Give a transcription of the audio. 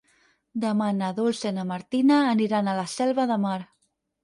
Demà na Dolça i na Martina aniran a la Selva de Mar.